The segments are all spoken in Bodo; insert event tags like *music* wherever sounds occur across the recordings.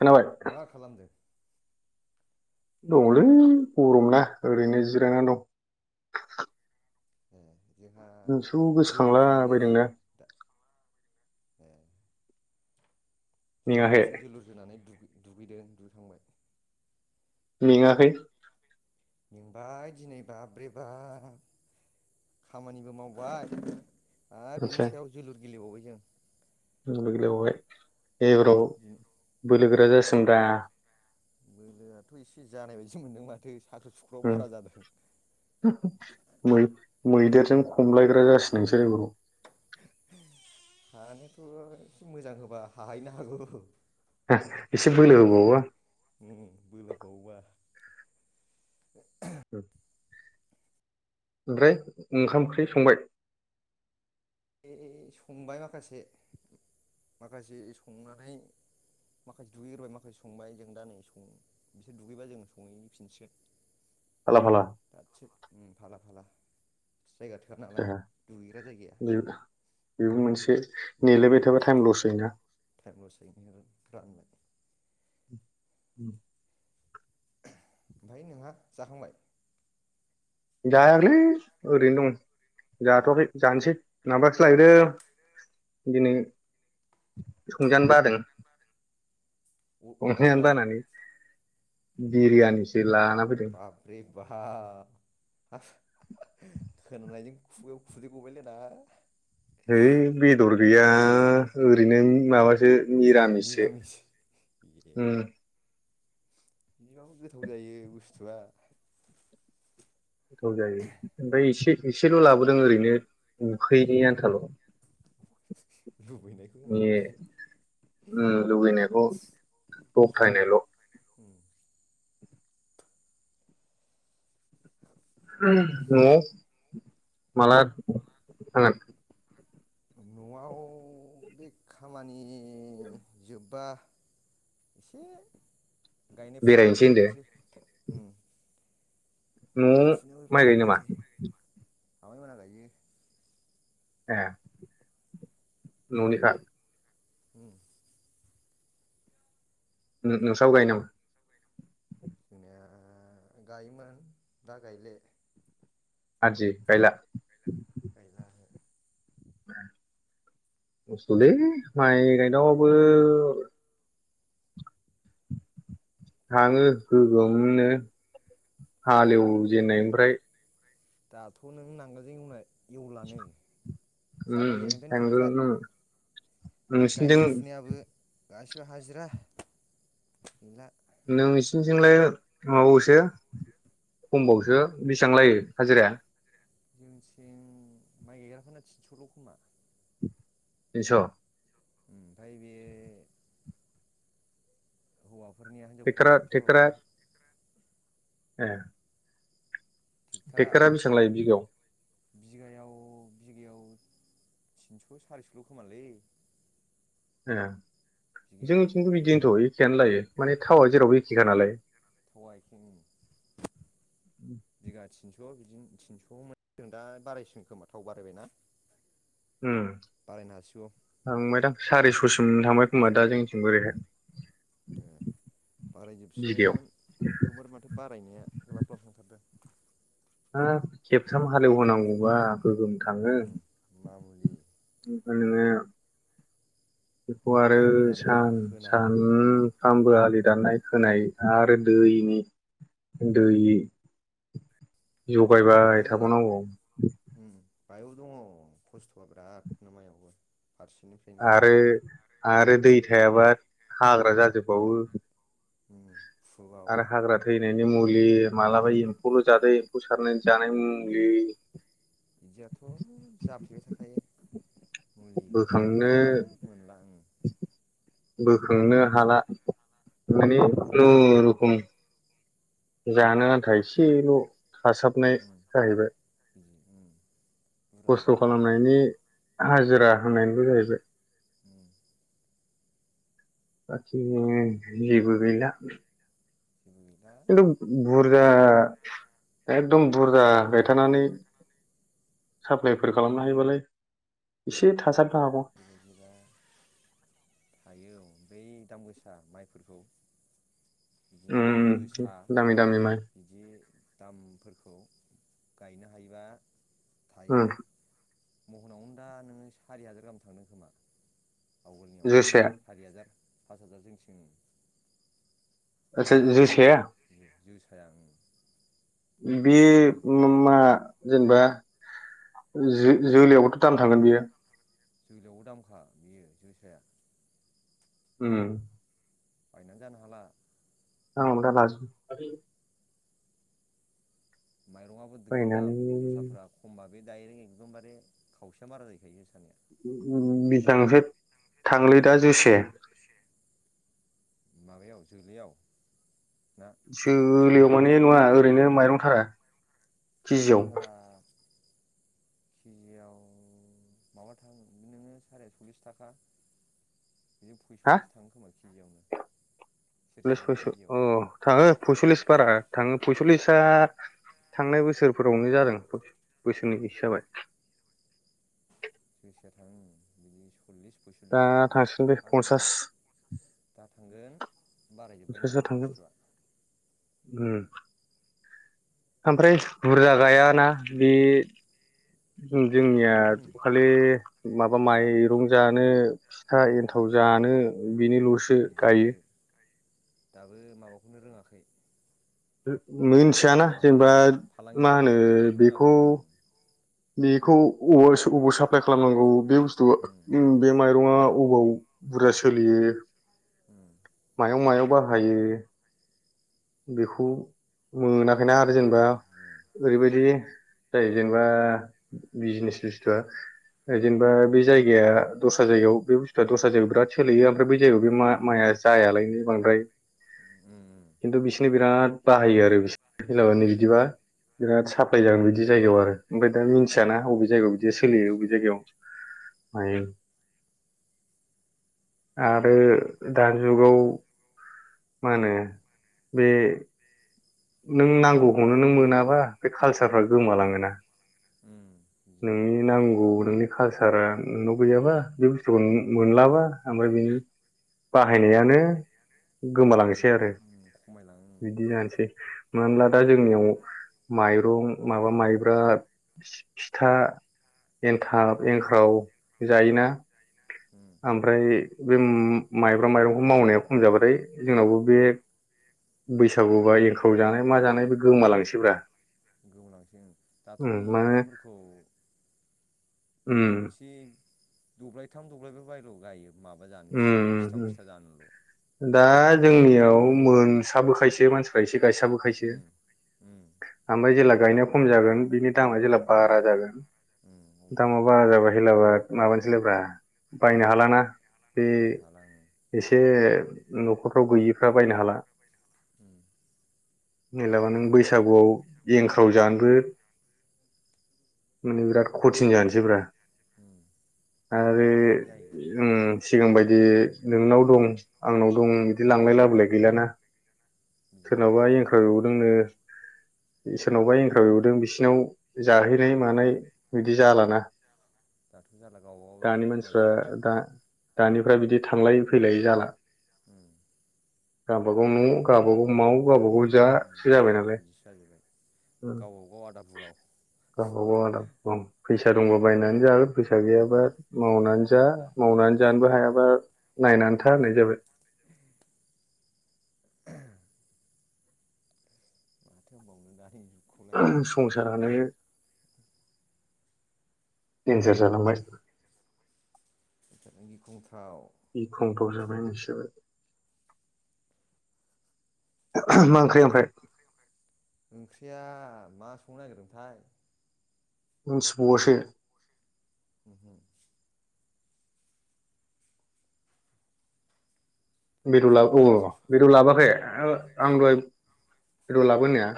खोनाबाय मा खालामदों दङलै गरमना ओरैनो जिरायनानै दं। *unintelligible* जोंहा नोंसोरखौ जोलुर गोसोखांला जोनानै नै बायदोंना दा जोंहा मेङाखै दासो जोलुर जोनानै दु दुगैदों दुगै खांबाय। मेङाखै। मेंबाय दिनै बाब्रे बा खामानिबो मावबाय। आरो बिनि आदसा सायाव जोलुर गेलेबावबाय जों *unintelligible* उम एबाराव दिनै बोलो गोरा जा सोंब्रा। बोलोआथ एसे जानाय बायदि मोनदों माथो। साख्रु सुख्रुआव बारा *unintelligible* जादों मैदेरजों खमलायग्रा जासि नोंसोर एबाराव। हानोथ एसे मोजां होबा हाहैनो हागौ। *unintelligible* एसे बोले होबावबा। ओं बोलो बावबा। *unintelligible* ओमफ्राय ओंखाम ओंख्रि संबाय। संबाय माखासे माखासे संनानै माखासे दुगैग्रोबाय माखासे संबाय जों दा नै सं बिसोर दुगैबा जों संहैफिनसिगोन। फाला फाला उम फाला फाला। जायगा थोआ ए, नालाय दुगैग्रा जायगाया। नेेलायबाय उम थाबा टाइम लस जायोना। टाइम लस *unintelligible* राननानै। *unintelligible* ओमफाय नोंहा जाखांबाय। जायाखैलै ओरैनो दं। ए जाथ'आखै जानसै। माबासो लायदो दिनै संजानो बादों। माबासो नामा *unintelligible* बिरियानिसो। लाना फैदों। बाब्रे बा आस खोनानायजों खुगायाव खुदै गबायलै आंना। है बेदर गैया ओरैनो माबा सो निरामिससो निरामिस ए उम। बिदिबाबो गोथाव जायो बुस्थुआ। गोथाव जायो ओमफाय एसे एसेल' लाबोदों ओरैनो। ए उखैयैनि आन्थाल'। लुबैनायखौ नि माबानाय ओ लुबैनायखौ सुफुंनाय दबथायनायल'। न'आव माला थांगोन? न'आव बे खामानि नि जोब्बा एसे गायनाय फुनायाव बेरायनोसै हेफाजाब होनदो हैसै। उम। न'आव गायनाय माइ गायो नामा? आमाय मोना गायो। ए न'निखा? उम। नो-नोंस्राबो गायो नामा? थोङा गायोमोन दा गायले। आदि गायला? गायला कस्ट'लै माइ गायनायावबो थाङो गोगोमनो। थाङो हालेवजेननायनिफ्राय। दाथ' नों नांगोलजों एवनाय एवलानो उम जागाय जेननायफ्रानो ट्रेक्टार थांगोन आरो नोंसिनिथिं गायनाय फुनायाबो गासिबो हाजिरा गैला। नोंसिनिजोंलाय माबाबावसो खमबावसो बेसेबां लायो हाजिराया? जोंनिथिं माइ गायग्राखौनो थिनस'ल' खोमा। थिनस' ओमफ्राय बे फोरनिया हिनजफोरफोराया ट्रेक्टरा थिनस' ओमफ्राय ओ। ट्रेक्टारा टेक्टरा बेसेबां लायो बिगायाव? बिगायाव बिगायाव तिनस' सारिस'ल' खोमालै। ओ। बिगायाव जोंथिंबो बिदिनोथ' ए खेयानो लायो माने थावा जेराव एखेखा नालाय। थावआ एखे ओं बिगा थिनस'। स' बिदिनो थिनस' मोनों दा बारायसिन खोमा थाव बारायबायना। ओ बारायनो हासिगौ थांबायदां सारिस'सिम थांबाय खोमा दा जोंनिथिं ओरैनो। ए बिगायाव बारायजोबसिगोन एकदमबारे माथो बारायनाया ग्लाब ग्लाब थांथारदों। हा खेबथाम हालेवहोनांगौबा गोगोम थाङो उम मामुलि ओमफ्राय नोङो आलि दाननाय खोनाय उम *inaudible* *inaudible* दाननाय खोनाय आरो दैनि दै। जगायबाय थाबावनांगौ। मायाव दङ खस्थ'आ बिरादनो माइयावबो। फारसेनिफ्रायनो आरो आरो दै थायाबा हाग्रा उम जाजोबबावो। *inaudible* आरो हाग्रा थैनाय। *inaudible* लि उम मालाबा एम्फौल' थादों। फौ सारनायनि जानायनि मुलि। बिदियाथ' जाफ्लेबाय थाखायो। मुलि बोखांनो सारनाङाबानो मोनला ओ। बोखांनो हाला माने खुनुरुखुम जानो आन्था एसेल' हासाबनाय उम जाहैबाय बिदि उम बुरजाखौथ' खस्थ' अहा खालामनायनि हाजिरा *unintelligible* उम बाखि जेबो गैला *unintelligible* खिन्थु बुरजा एकदम बुरजा गायथानानै साप्लायफोर खालामनो हायोबालाय एसे थासाबनो हागौ और बै दाम गोसा माइफोरखौ बिदिनो उम जोसा दामि दामि माइ बिदि दामफोरखौ गायनो हायोबा थायो *inaudible* महनावनो दा नोङो सारि हाजार गाहाम थांदों खोमा आवगोलनियाव जोसाया सारि हाजार पास हाजार जोंथिं आदसा माबाया जोसाया जोसाया ओं बे महनावनो मा जेनेबा जों जोलैआवबोथ' दाम थांगोन बियो जोलियावबो दामखा बेयो जोसाया उम बायनानो जानो हाला *unintelligible* माइरंआबो दोगोद बायनानै दाम जोसाफोरा खमबा बे दाइरेक एकदमबारे खावसेया मारा जाहैखायो जोसानिया बेसांसो थांङोलै दा जोसाया माबायाव जोलैयाव ना *unintelligible* माने नङा ओरैनो माइरं थारा माइरं केजियाव थारा केजियाव माबा थांगोन नोङो साराय सल्लिस थाखा बिदिनो हा पयसल्लिस थाङो खोमा केजियावनो *unintelligible* सेरसेयाव केजियाव अ थाङो पयसल्लिस बारा थाङो पयस'लिसा थांनाय बोसोरफोरावनो जादों उम बोसोरनैसो जाबाय *inaudible* *inaudible* दा थांसिगोन बे पन्सास दा थांगोन बारायजोब्बायना पन्साससो थांगोन बुस्थुआ उम आमफ्राय बुरजा गायाना बे उम जोंनिया बेखौ उम खालि माबा जानायनि माइरं जानो फिथा उम एन्थाव बिदिनो जानो बेनिल'सो गायो। बिदिसो दाबो माबाखौनो रोङाखै हो मिथियाना माबाखौनो जेनेबा बेफार मा फालांगिखौनो होनो बेफार फालांगिखौ बेखौ रोङाखै उम बेखौ अबाव अबाव साप्लाइ खालामनांगौ बे उम *unintelligible* ओम बे माइरंआव अबाव बुरजा सोलियो उम मायाव मायाव बाहायो बिखौ मोनाखैना आरो मोजां जेनेबा मोनथिया उम ओरैबायदि जायो जेनेबा बिजनेस बुस्थुआ जेनेबा बे जायगाया दस्रा जायगायाव बे बुस्थुआ दस्रा जायगायाव बिराद सोलियो ओमफ्राय बे जायगायाव बे माइया जायालायनो बांद्राय। उम उम खिन्थु बिसोरनो बिराद बाहायो आरो बिस *unintelligible* नो औ बिदिबा बिराद साप्लाय जागोन बिदि जायगायाव आरो ओमफ्राय दा उम मिथियाना अबे जायगायाव बिदि सोलियो अबे मिथिया जायगायाव हायो आरो दानि जुगाव मा होनो बे नों नांगौखौनो नों मोनाबा बे कालसारफ्रा गोमालाङोना उम बिदिनो नोंनि नांगौ नोंनि कालसारा नोंनाव गैयाबा बे बुस्थुखौ मोनलाबा ओमफ्राय बिनि बाहायनायानो गोमालांनोसै आरो उम खमायलाङो बिदि जानसै मानो होनब्ला दा जोंनियाव माइरं माबा माइब्रा फिथा एन्थाब उम एंख्राव जायोना उम आमफ्राय बे माइब्रा माइरंखौ मावनायाव खम जाबाथाय जोंहाबो बे बैसागुयावहाय थाव जानाय मा जानाय बे गोमालांसै ब्रा गोमालांसिगोन ओम दाथ' नों माइब्राफोरखौ मथा उम मथि दब्लायथाम दब्लायब्रैबाबो गायो। माबा जानो सिथाव उम उम फिथा जानल' दा जोंनियाव मोनसाबोखायसो मानसिफोरा इसे गायसाबोखायसो उम उम ओमफ्राय जेला गायनाया खम जागोन बिनि दामा जेला होनबाथाय बारा गैला जागोन उम अब्ला दामा बारा जाबा हेलाबाय माबानोसैलायब्रा बायनो उम हालाना बे बायनो हाला उम एसे ओम न'खरफ्राव गैयिफ्रा बायनो हाला। उम दाथ' मेलाबा नों बिदिनो जाबाय बैसागुआव एंखाव जानो बो माने बिराद कचिं जानोसै ब्रा। उम नागिरबा मोनै जाहैगोन उम। सिगां बायदि नोंनाव दं आंनाव दं बिदि लांलाय लाबोलाय गैलाना? बिदिथ' सोरनावबा गैला दा एंख्राव उम एवदोंनो सोरनावबा एंक्राव एवदों बिसिनाव जाहैनाय मानाय बिदि जालाना। दाथ' जाला गावबागाव दानि मानसिफ्रा गोजानासै। दा दानिफ्रा बिदि थांलायै फैलायै जाला। उम। गावबागाव न', गावबागाव माव, गावबा गाव जा जा उम सो जाबाय जा नालाय बिदिसो जाजोब्बाय उम गावबागाव आदा बुगाव गावबागाव आदा बुगाव फै सा दंबा बायनानै जागोन फैसा उम गैयाबा गैयाबा मावनान जा नायबाय था मबाइल ल' मावनान जानोबो हायाबा नायनानै थार होनाय जाबाय। माथो होनबावनो दानि जुग संसारानो देनजार जालांबाय। एथ'बां गिख्रंथाव गिख्रंथाव जाबाय होननायसो जाबाय। मा ओंख्रि ओमफ्राय? ओंख्रिया मा संनो नागिरदोंथाय? मिनथिबावासो? उमहु। बेदर ला औ खुमब्रासो बेदर लाबोआखै? आ आं दहाय बेदर लाबो होननाया?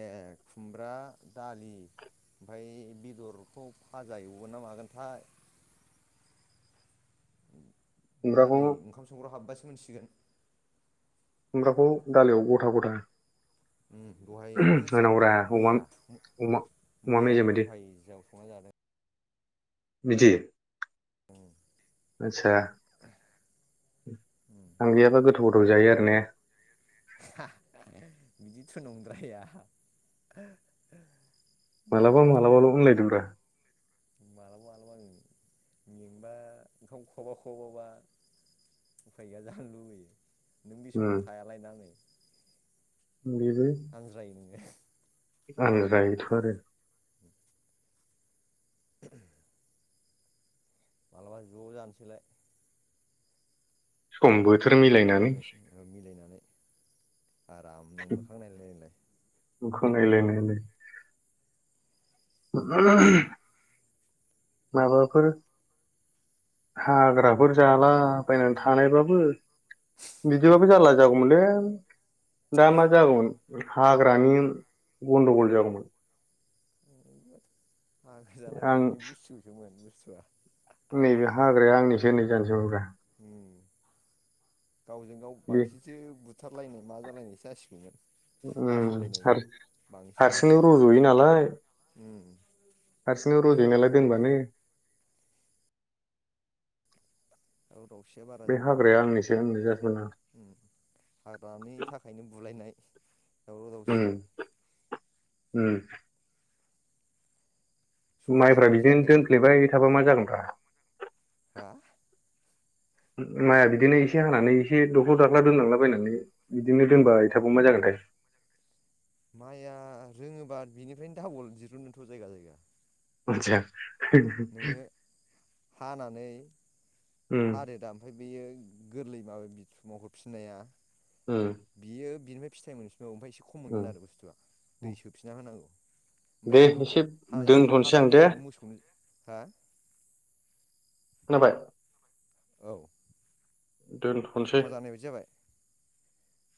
ए खुमब्रा, दालि ओमफ्राय बेदरखौ भाजा एवगोन ना मागोनथाय दा खुमब्राखौ नै ओंखाम संग्रायाव हाबायसो मोनथिसिगोन खुमब्राखौ दालियाव गथा गथा उम दहायबो जा होनांगौरा अमा मैया अमा अमा मैया मेजेम औ बायदि दहाय याव संना जादों बिदि ओं आदसा गोदाव जायो आरो ने? बिदिथ' नंद्राया मालाबा मालाबाल' होनलायदोंब्रा मालाबा मालाबा ओं मेंबा ओंखाम खहाबा खहाबाबा उफाय गैया जानो लुबैयो नों बे उम समाव थायालायना नै बेबो आनज्रायो नोङो आं जायोथ' आरो मालाबा ज' जानोसैलाय समबोद *unintelligible* *inaudible* आरामनो मोखां नायलाय नायलाय मोखां नायलाय-नायलाय *inaudible* माबाफोर हाग्राफोर जाला बायनानै थानायबाबो बिदिबाबो जारला जागौमोनलै दा मा जागौमोन हाग्रानि गन्दगल जागौमोन *inaudible* हाग्रा आं जालाबायनानै *unintelligible* सोमोन *unintelligible* दिनै जानजौरा *inaudible* गावजों गाव बे बांसिनसो बुथारलायनाय मा जालायनायसो जासिगौमोन उम नासयलायनायनो हार बांसिननो हारसिंनो रज'यो नालाय उम हार नरजायनालाय दोनबानो दावराव-दावसिया बारा बे जागौमोन हाग्राया आंनिसो होननाय जासिगोन आं हाग्रानि थाखायनो बुलायनाय। दावराव उम दावसि उम समा माइब्रा जानाय बायदि बिदिनो जायाखै दोनफ्लेबाय थाबा मा जागोन? बा हा माइआ बिदिनो एसे हानानै एसे दख्ल-दाख्ला दोनलांलाबायनानै बिदिनो दोनबाय थाबाव मा जागोनथाय? माइआ रोङोबा बिनिफ्रायनो दाबल दिरुनोथ' जायगा जायगा। आतसा। *inaudible* नोङो हानानै हा रोदा ओमफ्राय बेयो गोरलै माबा बिुमावहरफिननाया उम बियो। बिनिफ्राय फिथायाइ मोनसै औ ओमफ्राय एसे खम उम मोनगोन आरो बुस्थुआ दै सोफिनना होनांगौ। ओमफ्राय दे खिन्थु एसे हानायजों दोनथ'नोसै आं हानायनि दे उनावनो मोसौनो हा। खोनाबाय। औ। दोनथ'सै। समा जानाय बायदि जाबाय